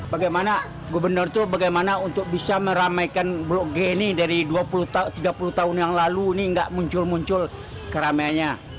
bagaimana gubernur itu bagaimana untuk bisa meramaikan blok g ini dari dua puluh tiga puluh tahun yang lalu ini nggak muncul muncul keramaiannya